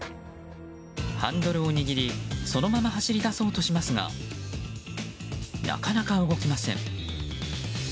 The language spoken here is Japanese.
ハンドルを握りそのまま走り出そうとしますがなかなか動きません。